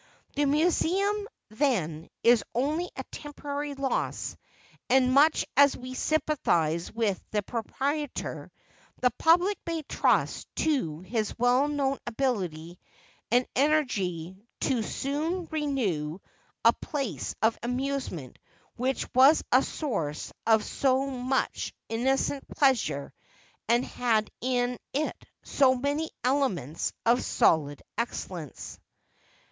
The Museum, then, is only a temporary loss, and much as we sympathize with the proprietor, the public may trust to his well known ability and energy to soon renew a place of amusement which was a source of so much innocent pleasure, and had in it so many elements of solid excellence.